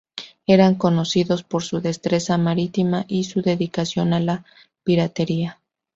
Eran conocidos por su destreza marítima y su dedicación a la piratería.